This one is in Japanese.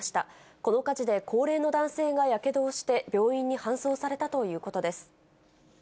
この火事で高齢の男性がやけどをして、病院に搬送されたということです。